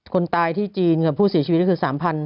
คนตายที่จีนกับผู้เสียชีวิตก็คือ๓๐๐๐